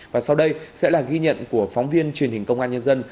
và sau đây sẽ là ghi nhận của phóng viên truyền hình công an nhân dân